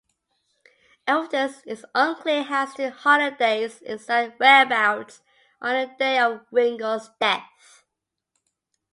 Evidence is unclear as to Holliday's exact whereabouts on the day of Ringo's death.